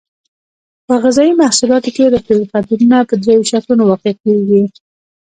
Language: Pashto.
په غذایي محصولاتو کې روغتیایي خطرونه په دریو شکلونو واقع کیږي.